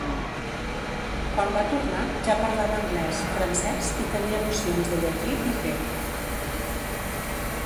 Quan va tornar ja parlava anglès, francès i tenia nocions de llatí i grec.